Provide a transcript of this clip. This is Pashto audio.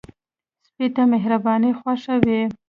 سپي ته مهرباني خوښ وي.